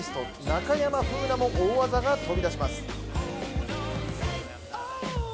中山楓奈も大技が飛び出します。